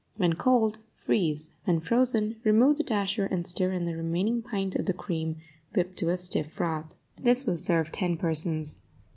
When cold, freeze; when frozen, remove the dasher and stir in the remaining pint of the cream whipped to a stiff froth. This will serve ten persons.